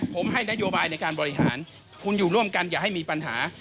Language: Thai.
ผมให้นโยบายในการบริหารคุณอยู่ร่วมกันอย่าให้มีปัญหา